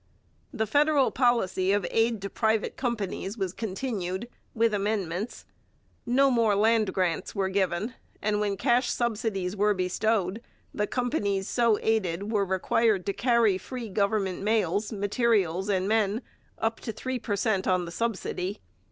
The federal policy of aid to private companies was continued, with amendments. No more land grants were given, and when cash subsidies were bestowed, the companies so aided were required to carry free government mails, materials and men, up to three per cent on the subsidy.